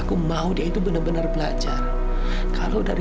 kamu kembali ya buat mama ya